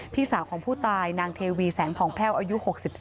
พี่สาวของผู้ตายนางเทวีแสงผ่องแพ่วอายุ๖๒